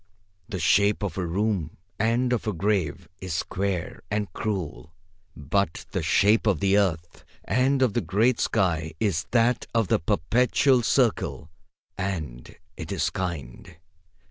The shape of a room and of a grave is square and cruel, but the shape of the earth and of the great sky is that of the perpetual circle, and it is kind.